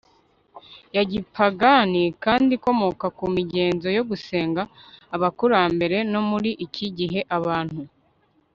ya gipagani kandi ikomoka ku migenzo yo gusenga abakurambere No muri iki gihe abantu